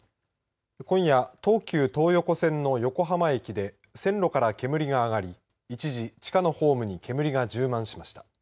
今夜、東急東横線の横浜駅で、線路から煙が上がり、一時、地下のホームに煙が充満しました。